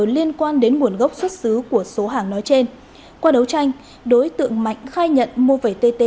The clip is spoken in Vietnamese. liên quan đến nguồn gốc xuất xứ của số hàng nói trên qua đấu tranh đối tượng mạnh khai nhận mua vẩy tt